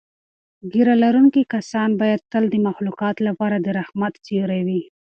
ږیره لرونکي کسان باید تل د مخلوقاتو لپاره د رحمت سیوری وي.